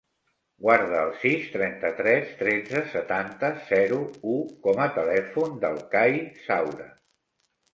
Guarda el sis, trenta-tres, tretze, setanta, zero, u com a telèfon del Cai Saura.